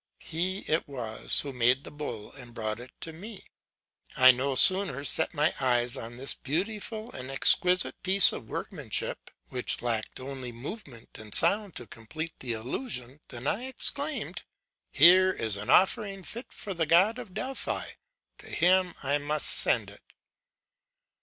He it was who made the bull and brought it to me. I no sooner set eyes on this beautiful and exquisite piece of workmanship, which lacked only movement and sound to complete the illusion, than I exclaimed: "Here is an offering fit for the God of Delphi: to him I must send it."